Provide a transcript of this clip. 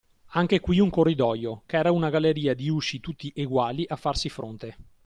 Anche qui un corridoio, ch'era una galleria di usci tutti eguali, a farsi fronte.